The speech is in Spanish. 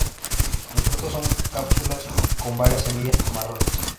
Los frutos son cápsulas con varias semillas marrones.